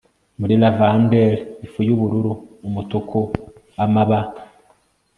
muri lavender ifu yubururu umutuku amabar